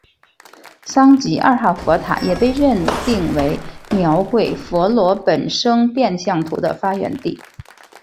桑吉二号佛塔也被认定为描绘佛陀本生变相图的发源地。